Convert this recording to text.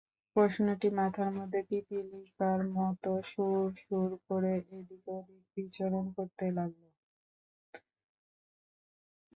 প্রশ্নটি মাথার মধ্যে পিপীলিকার মতো সুর সুর করে এদিক-ওদিক বিচরণ করতে লাগল।